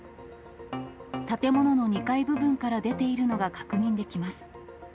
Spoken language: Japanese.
建物の２階部分から出ているのが確認できます。